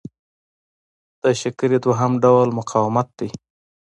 د شکرې دوهم ډول مقاومت دی.